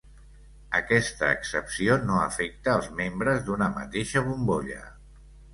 Aquesta excepció no afecta els membres d’una mateixa bombolla.